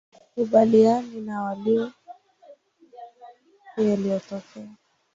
ubaliana na walio yaliotokea